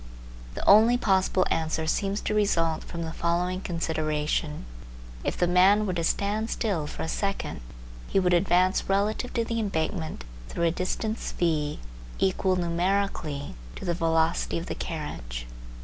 The only possible answer seems to result from the following consideration: If the man were to stand still for a second, he would advance relative to the embankment through a distance v equal numerically to the velocity of the carriage.